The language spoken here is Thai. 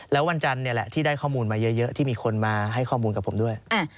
แล้ววันจันทร์ที่ได้ข้อมูลมาเยอะที่มีคนมาให้ข้อมูลกับผมด้วย